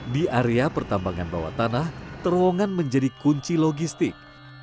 di area pertambangan bawah tanah terowongan menjadi kunci logistik